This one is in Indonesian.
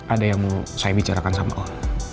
ada yang mau saya bicarakan sama allah